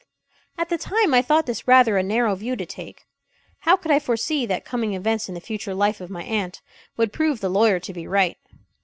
At the time, I thought this rather a narrow view to take. How could I foresee that coming events in the future life of my aunt would prove the lawyer to be right?